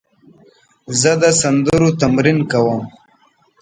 زه د سندرو تمرین کوم.